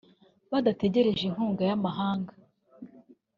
badategereje inkunga y’amahanga